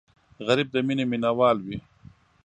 غریب د مینې مینهوال وي